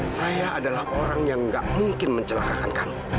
saya adalah orang yang nggak mungkin mencelakakan kamu